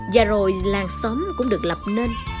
và rồi làng xóm cũng được lập nên